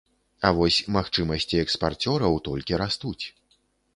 А вось магчымасці экспарцёраў толькі растуць.